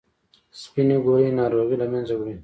سپینې ګولۍ ناروغي له منځه وړي.